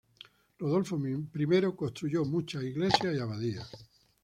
Rodolfo I construyó muchas iglesias y abadías.